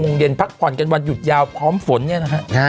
โมงเย็นพักผ่อนกันวันหยุดยาวพร้อมฝนเนี่ยนะฮะ